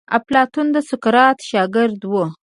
افلاطون د سقراط شاګرد وو.